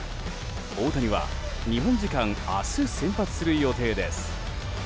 大谷は、日本時間明日先発する予定です。